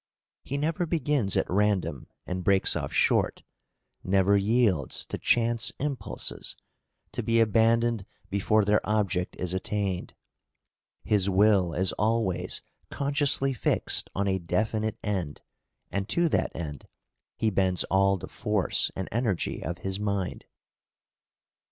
He never begins at random and breaks off short, never yields to chance impulses, to be abandoned before their object is attained; his will is always consciously fixed on a definite end, and to that end he bends all the force and energy of his mind.